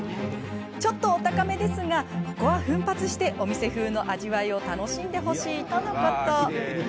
ちょっとお高めですがここは奮発してお店風の味わいを楽しんでほしいとのこと。